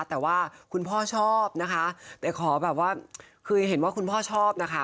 แต่ว่าคุณพ่อชอบนะคะแต่ขอแบบว่าคือเห็นว่าคุณพ่อชอบนะคะ